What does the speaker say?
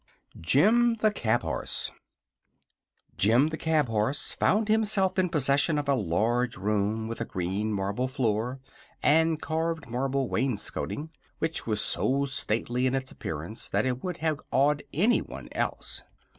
JIM, THE CAB HORSE Jim the Cab horse found himself in possession of a large room with a green marble floor and carved marble wainscoting, which was so stately in its appearance that it would have awed anyone else.